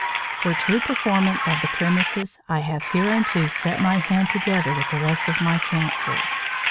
For true performance of the Premises I have hereunto set my hand together with the rest of my council.